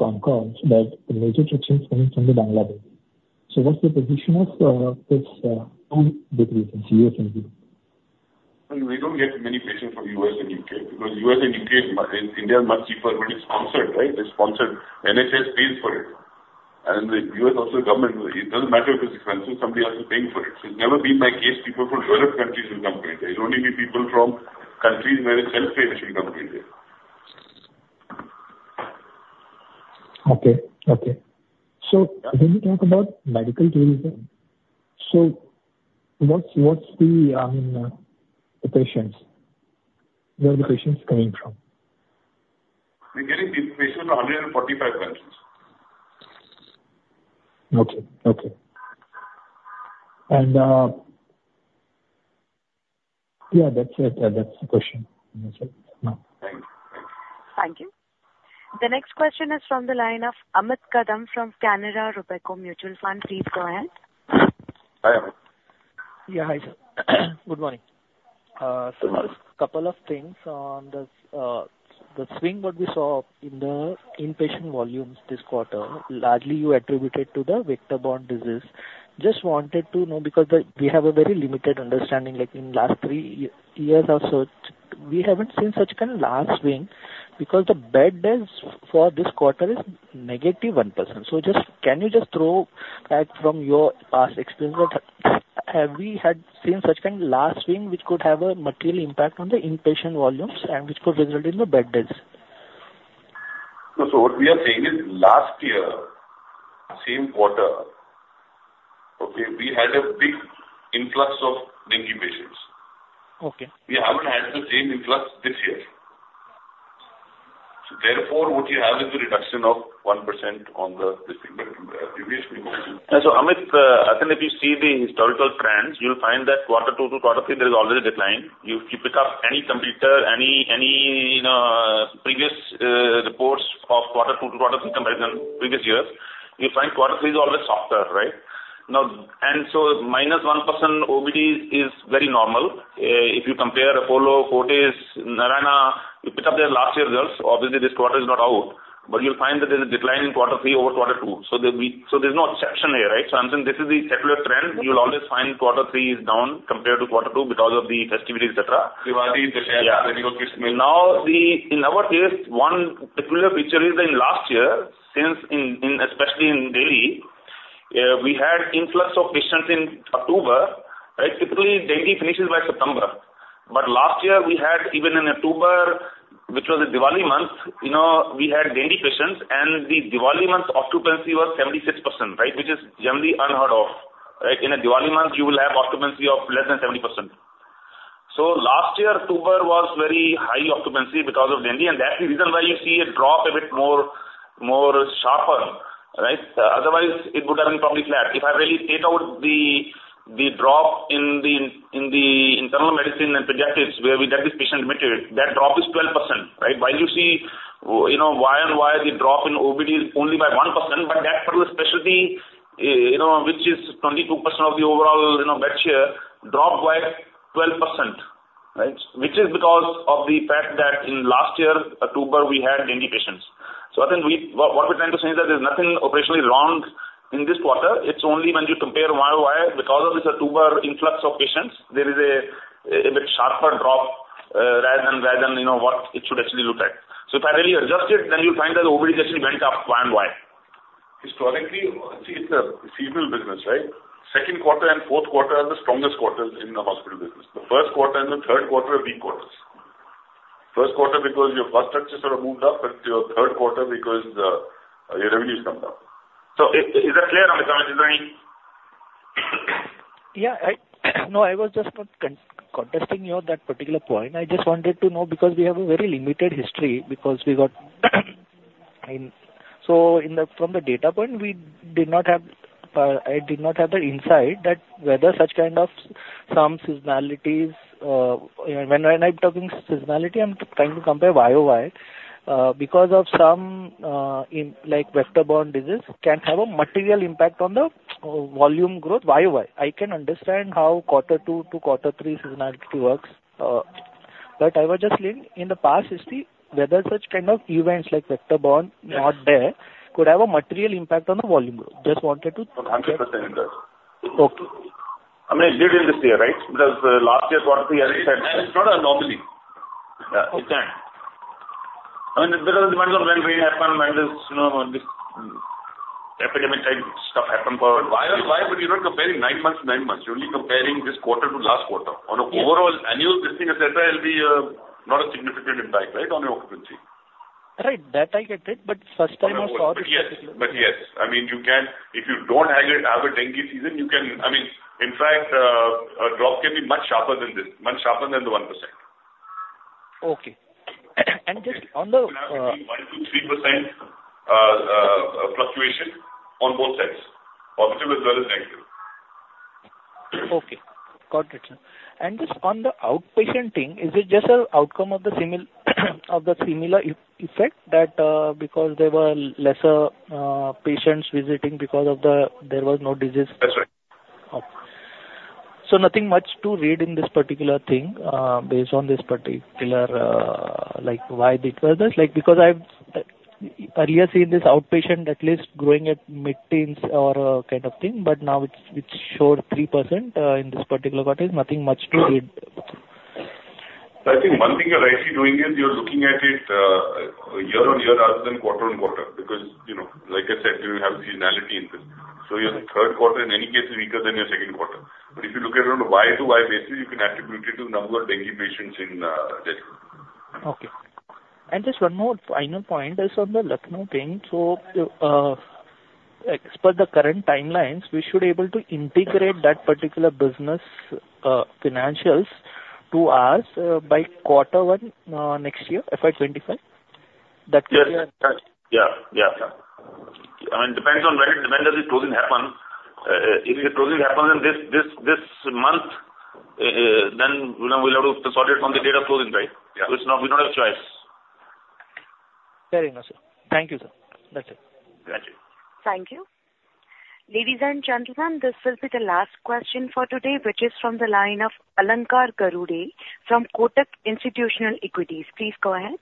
on call that the major traction is coming from the Bangladesh. So what's the position of this two different, U.S. and U.K.? And we don't get many patients from U.S. and U.K., because in U.S. and U.K., India are much cheaper, but it's sponsored, right? They're sponsored. NHS pays for it. And the U.S. also, government, it doesn't matter if it's expensive, somebody else is paying for it. So it's never been my case, people from developed countries will come to India. It's only the people from countries where it's self-pay which will come to India. Okay. Okay. So when you talk about medical tourism, so what's the patients? Where are the patients coming from? We're getting the patients from 145 countries. Okay. Okay. And, yeah, that's it. That's the question. Thank you. Thank you. The next question is from the line of Amit Kadam from Canara Robeco Mutual Fund. Please go ahead. Hi, Amit. Yeah, hi, sir. Good morning. Good morning. So couple of things on this. The swing what we saw in the inpatient volumes this quarter, largely you attributed to the vector-borne disease. Just wanted to know, because we have a very limited understanding. Like, in last three years or so, we haven't seen such kind of large swing, because the bed days for this quarter is -1%. So just, can you just throw back from your past experience that, have we had seen such kind of large swing which could have a material impact on the inpatient volumes and which could result in the bed days? What we are saying is, last year, same quarter, okay, we had a big influx of dengue patients. Okay. We haven't had the same influx this year. Therefore, what you have is a reduction of 1% on the previous quarter. And so, Amit, I think if you see the historical trends, you'll find that quarter two to quarter three, there is already a decline. You pick up any competitor, any previous reports of quarter two to quarter three comparison, previous years, you'll find quarter three is always softer, right? Now, and so -1% OBD is very normal. If you compare Apollo, Fortis, Narayana, you pick up their last year results, obviously, this quarter is not out, but you'll find that there's a decline in quarter three over quarter two. So there'll be. So there's no exception here, right? So I'm saying this is the secular trend. You will always find quarter three is down compared to quarter two because of the festivities, et cetera. Diwali, Dussehra. Yeah. Now, the, in our case, one particular picture is in last year, since in, in, especially in Delhi, we had influx of patients in October, right? Typically, dengue finishes by September. But last year we had even in October, which was a Diwali month, you know, we had dengue patients, and the Diwali month occupancy was 76%, right? Which is generally unheard of, right? In a Diwali month, you will have occupancy of less than 70%. So last year, October was very high occupancy because of dengue, and that's the reason why you see a drop a bit more, more sharper, right? Otherwise, it would have been probably flat. If I really take out the, the drop in the, in the internal medicine and pediatrics, where we get the patients admitted, that drop is 12%, right? While you see, you know, Y-on-Y, the drop in OBD is only by 1%, but that particular specialty, you know, which is 22% of the overall, you know, bed share, dropped by 12%, right? Which is because of the fact that in last year, October, we had dengue patients. So I think we-- What we're trying to say is that there's nothing operationally wrong in this quarter. It's only when you compare YoY, because of this October influx of patients, there is a bit sharper drop, rather than, rather than, you know, what it should actually look like. So if I really adjust it, then you'll find that OBD actually went up Y-on-Y. Historically, see, it's a seasonal business, right? Second quarter and fourth quarter are the strongest quarters in the hospital business. The first quarter and the third quarter are weak quarters. First quarter, because your bus structures are moved up, and your third quarter, because your revenue has come down. Is that clear, Amit? Is there any? Yeah, no, I was just not contesting you on that particular point. I just wanted to know, because we have a very limited history. So from the data point, we did not have, I did not have the insight that whether such kind of some seasonalities, when I'm talking seasonality, I'm trying to compare YoY, because of some, in, like, vector-borne disease can have a material impact on the volume growth YoY. I can understand how quarter two to quarter three seasonality works, but I was just listening, in the past history, whether such kind of events like vector-borne- Yes. not there, could have a material impact on the volume growth. Just wanted to 100%, yes. Okay. I mean, it did in this year, right? Because, last year's quarter three had- It's not an anomaly. Yeah. It can't. I mean, because it depends on when rain happen, when this, you know, this epidemic-type stuff happen for- Y-o-Y, but you're not comparing nine months to nine months. You're only comparing this quarter to last quarter. Yes. On an overall annual, this thing et cetera, it'll be not a significant impact, right, on your occupancy? Right. That I get it, but first time I saw this. But yes, but yes. I mean, you can. If you don't have a dengue season, you can. I mean, in fact, a drop can be much sharper than this, much sharper than the 1%. Okay. Just on the, 1%-3% fluctuation on both sides, positive as well as negative. Okay. Got it. And just on the outpatient thing, is it just an outcome of the similar effect, that because there were lesser patients visiting because of the there was no disease? That's right. Okay. So nothing much to read in this particular thing, based on this particular, like, why it was this? Like, because I've earlier seen this outpatient at least growing at mid-teens or, kind of thing, but now it showed 3% in this particular quarter. Nothing much to read? I think one thing you're rightly doing is you're looking at it, year-over-year rather than quarter-over-quarter, because, you know, like I said, you have seasonality in this. So your third quarter, in any case, is weaker than your second quarter. But if you look at it on a YoY basis, you can attribute it to the number of dengue patients in, Delhi. Okay. Just one more final point is on the Lucknow thing. So, as per the current timelines, we should able to integrate that particular business, financials to us, by quarter one, next year, FY 2025? That is your- Yes. That's... Yeah, yeah. I mean, depends on when, when does the closing happen. If the closing happens in this month, then, you know, we'll have to consolidate it from the date of closing, right? Yeah. It's not, we don't have a choice. Fair enough, sir. Thank you, sir. That's it. Thank you. Thank you. Ladies and gentlemen, this will be the last question for today, which is from the line of Alankar Garude from Kotak Institutional Equities. Please go ahead.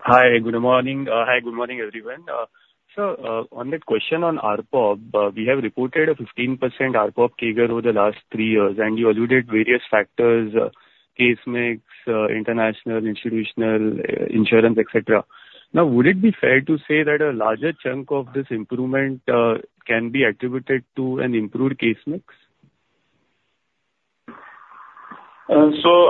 Hi, good morning. Hi, good morning, everyone. So, on that question on ARPOB, we have reported a 15% ARPOB CAGR over the last three years, and you alluded various factors, case mix, international, institutional, insurance, et cetera. Now, would it be fair to say that a larger chunk of this improvement can be attributed to an improved case mix? So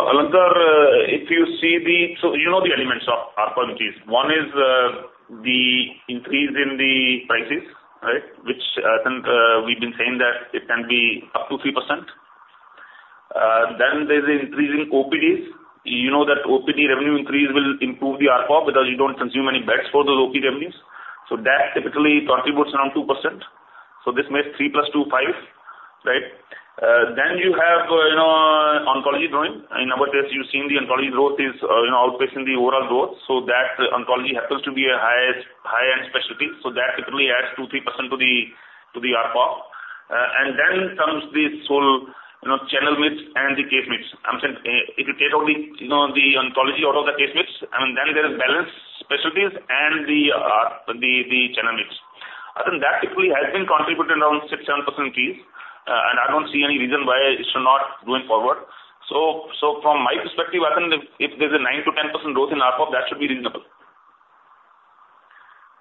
Alankar, if you see the. So you know the elements of ARPOB case. On is, the increase in the prices, right? Which, then, we've been saying that it can be up to 3%. Then there's an increase in OPDs. You know that OPD revenue increase will improve the ARPOB, because you don't consume any beds for those OPD revenues. So that typically contributes around 2%. So this makes 3 + 2, five, right? Then you have, you know, oncology growing. In our case, you've seen the oncology growth is, you know, outpacing the overall growth. So that oncology happens to be a highest, high-end specialty. So that typically adds 2%-3% to the, to the ARPOB. And then comes the whole, you know, channel mix and the case mix. I'm saying, if you take out the, you know, the oncology out of the case mix, and then there is balance specialties and the channel mix. I think that typically has been contributing around 6%-7% increase, and I don't see any reason why it should not go forward. So, from my perspective, I think if there's a 9%-10% growth in ARPOB, that should be reasonable.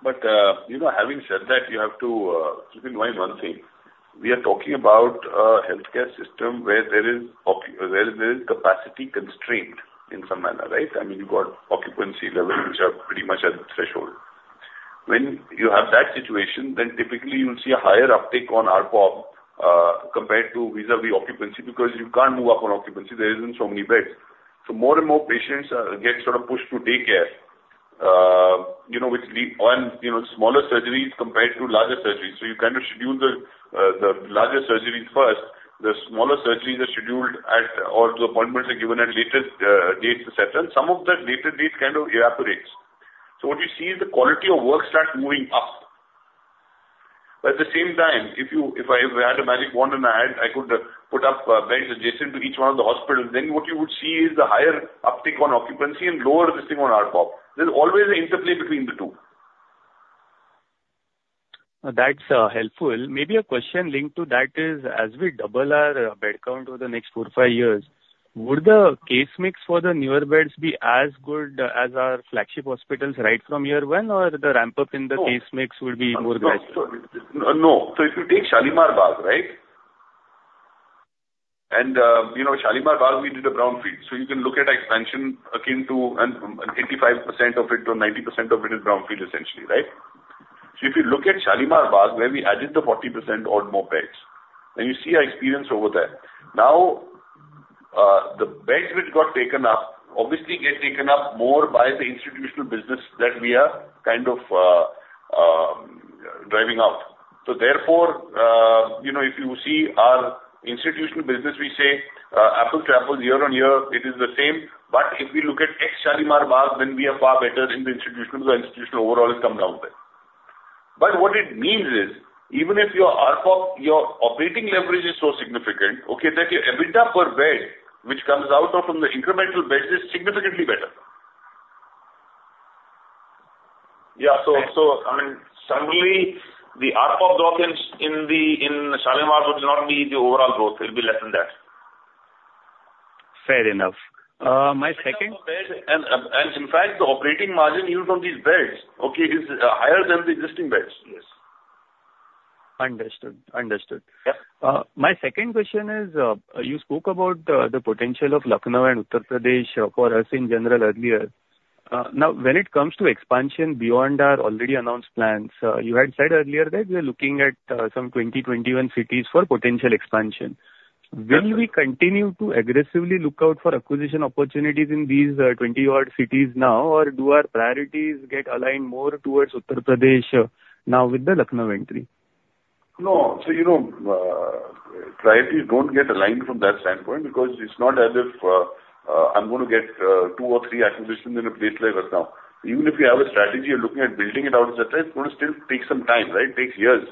But, you know, having said that, you have to keep in mind one thing. We are talking about a healthcare system where there is capacity constraint in some manner, right? I mean, you've got occupancy levels which are pretty much at threshold. When you have that situation, then typically you'll see a higher uptick on ARPOB compared to vis-à-vis occupancy, because you can't move up on occupancy, there isn't so many beds. So more and more patients get sort of pushed to daycare, you know, which lead on, you know, smaller surgeries compared to larger surgeries. So you kind of schedule the larger surgeries first. The smaller surgeries are scheduled at, or the appointments are given at later dates, et cetera. Some of that later dates kind of evaporates. So what you see is the quality of work start moving up. But at the same time, if you, if I had a magic wand and I had, I could, put up, beds adjacent to each one of the hospitals, then what you would see is the higher uptick on occupancy and lower visiting on ARPOB. There's always an interplay between the two. That's helpful. Maybe a question linked to that is, as we double our bed count over the next 4-5 years, would the case mix for the newer beds be as good as our flagship hospitals right from year one, or the ramp-up in the case mix will be more gradual? No. So if you take Shalimar Bagh, right? And, you know, Shalimar Bagh, we did a brownfield. So you can look at expansion akin to 85% of it or 90% of it is brownfield, essentially, right? So if you look at Shalimar Bagh, where we added the 40% odd more beds, and you see our experience over there. Now- The beds which got taken up obviously get taken up more by the institutional business that we are kind of driving out. So therefore, you know, if you see our institutional business, we say apple-to-apple, year-on-year, it is the same. But if we look at Max Shalimar Bagh, then we are far better in the institutional, the institutional overall has come down there. But what it means is, even if your ARPOB, your operating leverage is so significant, okay, that your EBITDA per bed, which comes out of from the incremental beds, is significantly better. Yeah. So, so I mean, suddenly the ARPOB growth in Shalimar would not be the overall growth. It'll be less than that. Fair enough. My second- In fact, the operating margin used on these beds, okay, is higher than the existing beds. Yes. Understood. Understood. Yeah. My second question is, you spoke about the potential of Lucknow and Uttar Pradesh for us in general earlier. Now, when it comes to expansion beyond our already announced plans, you had said earlier that we are looking at some 21 cities for potential expansion. Absolutely. Will we continue to aggressively look out for acquisition opportunities in these, 20-odd cities now? Or do our priorities get aligned more towards Uttar Pradesh, now with the Lucknow entry? No. So, you know, priorities don't get aligned from that standpoint, because it's not as if I'm going to get two or three acquisitions in a place like right now. Even if you have a strategy, you're looking at building it out, et cetera, it's going to still take some time, right? It takes years.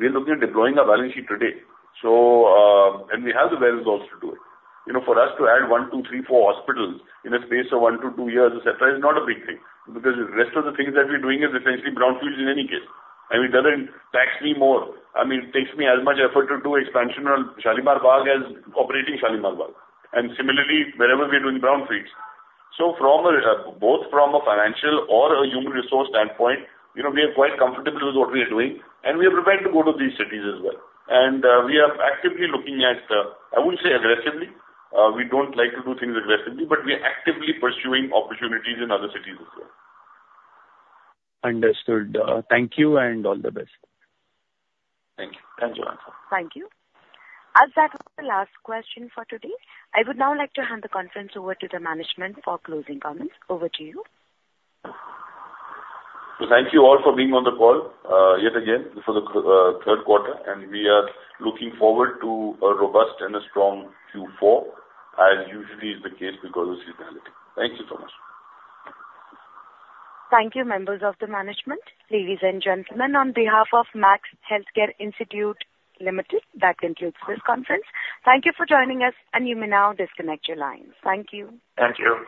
We are looking at deploying our balance sheet today, so and we have the wherewithal to do it. You know, for us to add one, two, three, four hospitals in a space of 1-2 years, et cetera, is not a big thing, because the rest of the things that we're doing is essentially brownfields in any case, and it doesn't tax me more. I mean, it takes me as much effort to do expansion on Shalimar Bagh as operating Shalimar Bagh, and similarly wherever we are doing brownfields. Both from a financial or a human resource standpoint, you know, we are quite comfortable with what we are doing, and we are prepared to go to these cities as well. We are actively looking at, I wouldn't say aggressively, we don't like to do things aggressively, but we are actively pursuing opportunities in other cities as well. Understood. Thank you and all the best. Thank you. Thanks, Alankar. Thank you. As that was the last question for today, I would now like to hand the conference over to the management for closing comments. Over to you. Thank you all for being on the call yet again for the third quarter, and we are looking forward to a robust and a strong Q4, as usually is the case because of seasonality. Thank you so much. Thank you, members of the management. Ladies and gentlemen, on behalf of Max Healthcare Institute Limited, that concludes this conference. Thank you for joining us, and you may now disconnect your lines. Thank you. Thank you.